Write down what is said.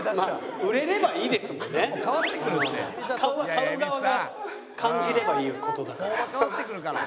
買う側が感じればいい事だから。